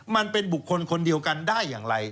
มันเป็นบุคคลคนเดียวกันได้อย่างไร